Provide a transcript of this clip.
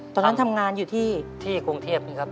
ตอนนั้นทำงานอยู่ที่กรุงเทพนี่ครับ